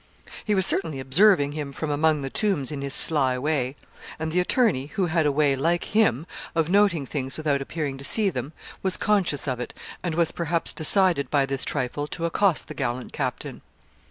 He was certainly observing him from among the tombs in his sly way. And the attorney, who had a way, like him, of noting things without appearing to see them, was conscious of it, and was perhaps decided by this trifle to accost the gallant captain.